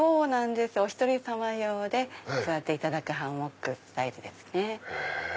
お１人さま用で座っていただくハンモックタイプですね。